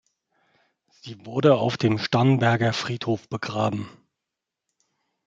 Sie wurde auf dem Starnberger Friedhof begraben.